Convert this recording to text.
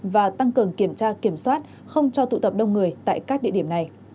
và tăng cường kiểm tra kiểm soát không cho tụ tập đông người tại các địa điểm này